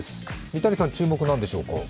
三谷さん、注目は何でしょうか？